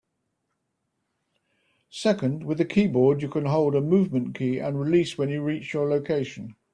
Second, with a keyboard you can hold a movement key and release when you reach your location.